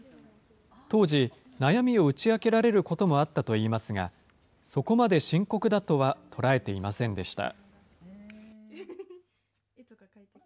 当時、悩みを打ち明けられることもあったといいますが、そこまで深刻だとは捉えていませんでした。